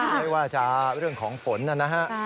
ไม่ว่าจะเรื่องของฝนนะฮะ